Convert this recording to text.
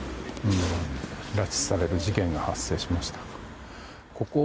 拉致される事件が発生しました。